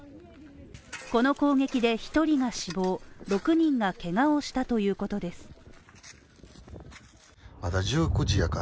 この攻撃で１人が死亡、６人がけがをしたということです。